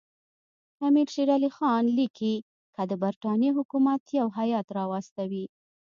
امیر شېر علي خان لیکي که د برټانیې حکومت یو هیات راواستوي.